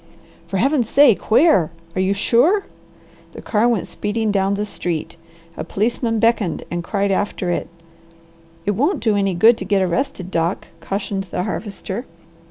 "For Heaven's sake where? Are you sure?" The car went speeding down the street. A policeman beckoned and cried after it. "It won't do any good to get arrested, Doc," cautioned the Harvester.